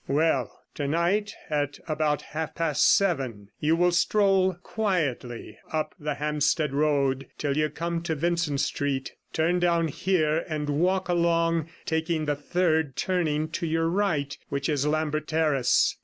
Well, tonight at about halfpast seven, you will stroll quietly up the Hampstead Road till you come to Vincent Street. Turn down here and walk along, taking the third turning to your right, which is Lambert Terrace.